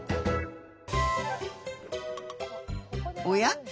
おや？